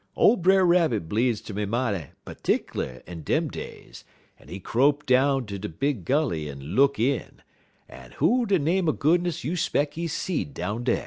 "Ole Brer Rabbit bleedz ter be mighty 'tickler in dem days, en he crope down ter de big gully en look in, en who de name er goodness you 'speck he seed down dar?"